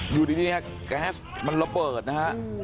อยู่ดีเนี่ยแก๊สมันระเบิดนะฮะ